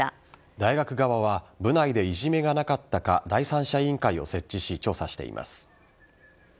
大学側は部内でいじめがなかったか第三者委員会を設置し調査しています。